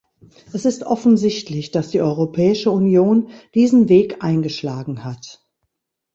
Es ist offensichtlich, dass die Europäische Union diesen Weg eingeschlagen hat.